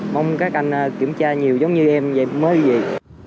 mong các anh kiểm tra nhiều giống như em về mới vậy